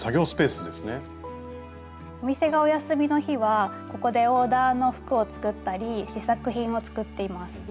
スタジオお店がお休みの日はここでオーダーの服を作ったり試作品を作っています。